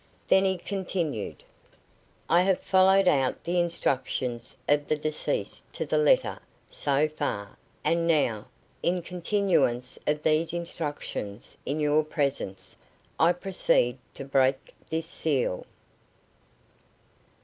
Then he continued: "I have followed out the instructions of the deceased to the letter, so far; and now, in continuance of these instructions, in your presence, I proceed to break this seal."